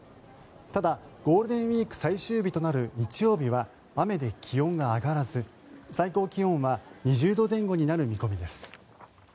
ただゴールデンウィーク最終日となる日曜日は雨で気温が上がらず、最高気温は２０度前後になる見込みです。